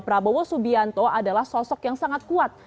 prabowo subianto adalah sosok yang sangat kuat